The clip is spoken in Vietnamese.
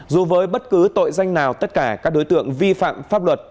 dù với bất cứ tội danh nào tất cả các đối tượng vi phạm pháp luật